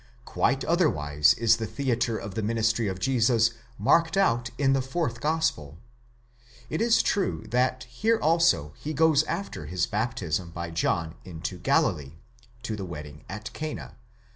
Quite otherwise is the theatre of the ministry of Jesus marked out in the fourth gospel. It is true that here also he goes after his baptism by John into Galilee, to the wedding at Cana (ii.